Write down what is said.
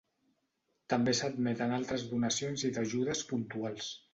També s'admeten altres donacions i d'ajudes puntuals.